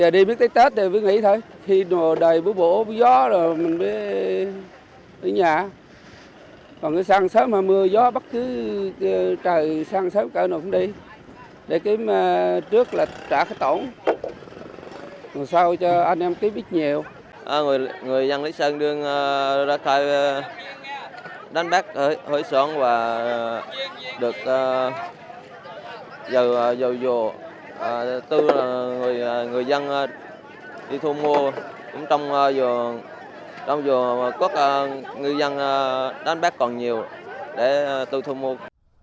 được dầu vô tư người dân đi thu mua cũng trong vùng quốc ngư dân đánh bắt còn nhiều để tư thu mua